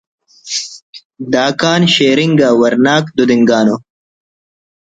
داکان شیر انگا ورناک تدینگانو